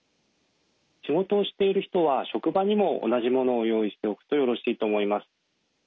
仕事をしている人は職場にも同じものを用意しておくとよろしいと思います。